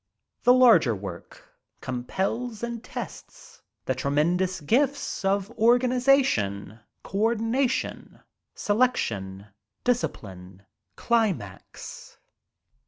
The larger work compels and tests the tremendous gifts of organization, co ordination, selection, discipline, climax.